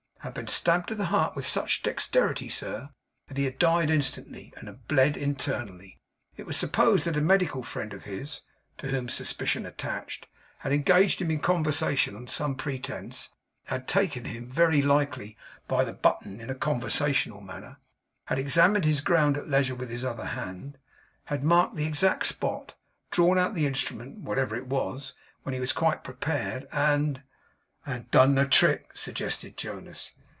Had been stabbed to the heart with such dexterity, sir, that he had died instantly, and had bled internally. It was supposed that a medical friend of his (to whom suspicion attached) had engaged him in conversation on some pretence; had taken him, very likely, by the button in a conversational manner; had examined his ground at leisure with his other hand; had marked the exact spot; drawn out the instrument, whatever it was, when he was quite prepared; and ' 'And done the trick,' suggested Jonas.